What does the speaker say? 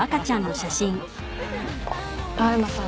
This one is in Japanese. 青山さん。